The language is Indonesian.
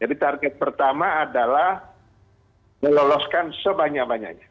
jadi target pertama adalah meloloskan sebanyak banyaknya